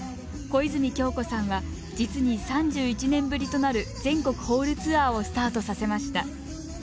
小泉今日子さんは実に３１年ぶりとなる全国ホールツアーをスタートさせました。